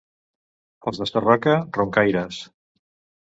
Els de Sarroca, roncaires.